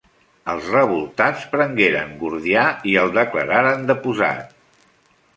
Els revoltats prengueren Gordià i el declararen deposat.